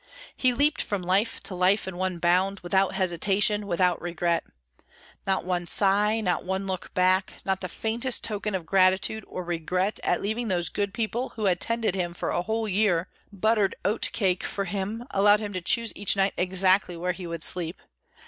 He leaped from life to life in one bound, without hesitation, without regret. Not one sigh, not one look back, not the faintest token of gratitude or regret at leaving those good people who had tended him for a whole year, buttered oat cake for him, allowed him to choose each night exactly where he would sleep.